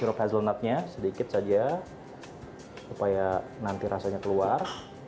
sirup hazelnutnya sedikit saja supaya nanti rasanya keluar